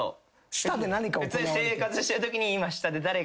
普通に生活してるときに今下で誰かが。